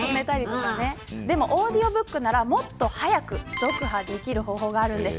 オーディオブックならもっと早く読破できる方法があるんです。